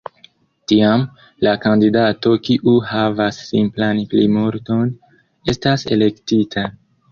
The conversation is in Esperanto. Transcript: Tiam, la kandidato kiu havas simplan plimulton estas elektita.